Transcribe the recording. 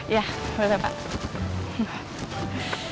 ya boleh pak